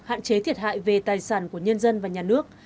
hạn chế thiệt hại về tài sản của nhân dân và nhà nước